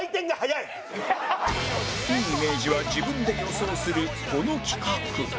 いいイメージは自分で予想するこの企画